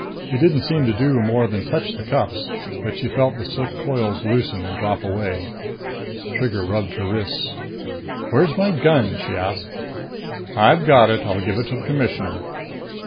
He didn't seem to do more than touch the cuffs, but she felt the slick coils loosen and drop away. Trigger rubbed her wrists. "Where's my gun?" she asked. "I've got it. I'll give it to the Commissioner."